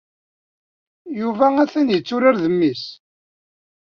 Yuba ha-t-an yetturar d mmi-s.